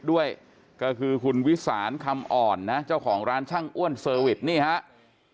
ด้วยก็คือคุณวิสานคำอ่อนนะเจ้าของร้านช่างอ้วนเซอร์วิสนี่ครับ